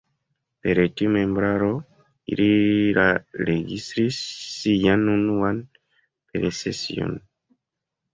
Per tiu membraro ili la registris sian unuan Peel-sesion.